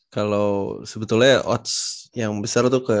kalau sebetulnya odds yang besar tuh ke